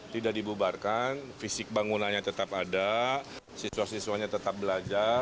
tidak dibubarkan fisik bangunannya tetap ada siswa siswanya tetap belajar